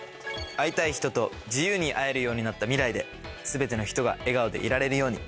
会いたい人と自由に会えるようになった未来で全ての人が笑顔でいられるように。